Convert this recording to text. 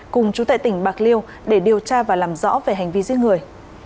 cùng chủ tệ tỉnh bạc liêu để điều tra và làm rõ về hành vi giết người